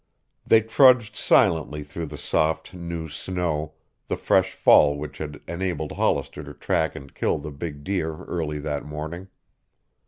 They trudged silently through the soft, new snow, the fresh fall which had enabled Hollister to track and kill the big deer early that morning.